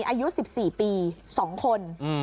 อายุ๑๔ปี๒คน